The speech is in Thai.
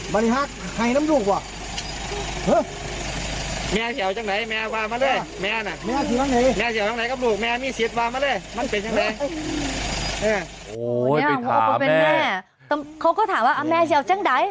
พรุ่งมากมาย์เธออ่ะมันถามว่าแม่เชียวอยู่ไหน